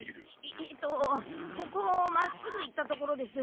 えっとここをまっすぐ行った所です。